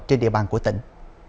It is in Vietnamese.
trên địa bàn của tỉnh